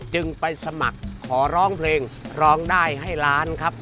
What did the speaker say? จึงไปสมัครขอร้องเพลงร้องได้ให้ล้านครับ